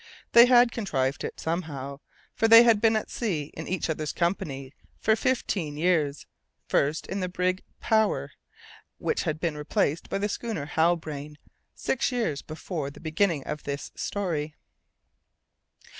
They had contrived it, somehow, for they had been at sea in each other's company for fifteen years, first in the brig Power, which had been replaced by the schooner Halbrane, six years before the beginning of this story.